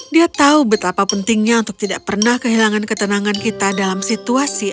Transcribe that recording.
dia tahu betapa pentingnya untuk tidak pernah kehilangan ketenangan kita dalam situasi